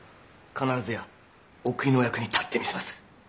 必ずやお国のお役に立ってみせます。